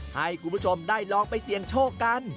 ให้คุณผู้ชมได้ลองไปเสี่ยงโชคกัน